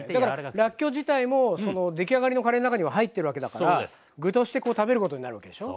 らっきょう自体も出来上がりのカレーの中には入っているわけだから具として食べることになるわけでしょう。